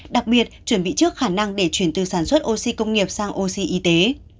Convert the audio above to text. đặc biệt chuẩn bị trước khả năng để chuyển từ sản xuất oxy công nghiệp sang oxy y tế